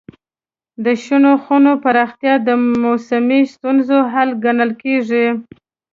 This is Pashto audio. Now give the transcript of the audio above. د شنو خونو پراختیا د موسمي ستونزو حل ګڼل کېږي.